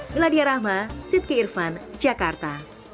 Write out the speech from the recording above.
meladia rahma sidky irvan jakarta